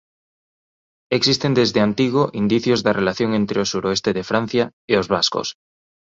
Existen desde antigo indicios da relación entre o suroeste de Francia e os vascos.